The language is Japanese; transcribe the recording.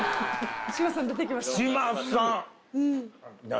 志麻さん出てきましたか？